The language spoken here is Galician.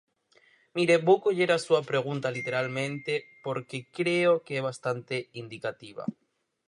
Mire, vou coller a súa pregunta literalmente porque creo que é bastante indicativa.